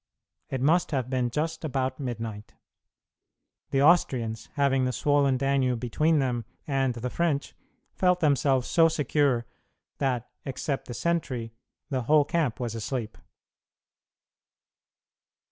It must have been just about midnight. The Austrians, having the swollen Danube between them and the French, felt themselves so secure that, except the sentry, the whole camp was asleep.